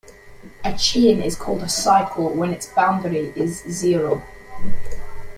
A chain is called a cycle when its boundary is zero.